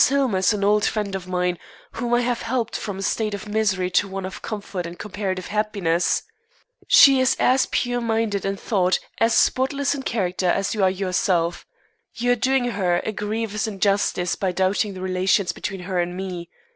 Hillmer is an old friend of mine, whom I have helped from a state of misery to one of comfort and comparative happiness. She is as pure minded in thought, as spotless in character, as you are yourself. You are doing her a grievous injustice by doubting the relations between her and me.